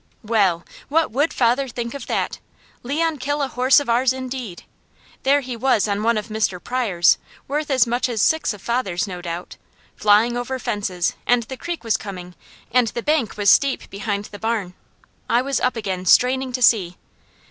Well! What would father think of that! Leon kill a horse of ours indeed! There he was on one of Mr. Pryor's, worth as much as six of father's no doubt, flying over fences, and the creek was coming, and the bank was steep behind the barn. I was up again straining to see.